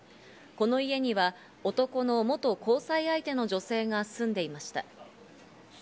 この家には男の元交際相手の女性が住んでいました。